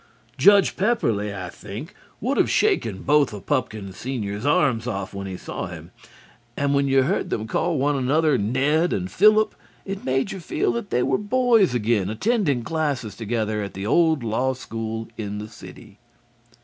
Judge Pepperleigh, I think, would have shaken both of Pupkin senior's arms off when he saw him; and when you heard them call one another "Ned" and "Phillip" it made you feel that they were boys again attending classes together at the old law school in the city.